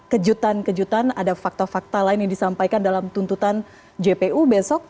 kejutan kejutan ada fakta fakta lain yang disampaikan dalam tuntutan jpu besok